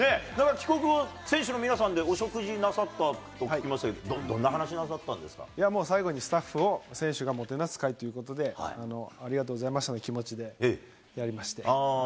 帰国後、選手の皆さんでお食事なさったと聞きましたけど、どんないやもう、最後にスタッフを選手がもてなす会ということで、ありがとうございましたの気持ちでやりまして。